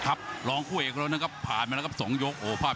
ครับรองคู่เอกแล้วนะครับผ่านมาแล้วครับสองยกโอ้ภาพ